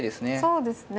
そうですね。